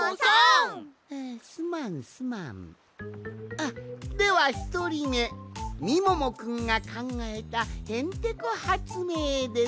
あっではひとりめみももくんがかんがえたへんてこはつめいです。